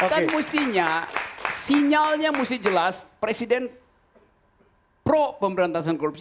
kan mestinya sinyalnya mesti jelas presiden pro pemberantasan korupsi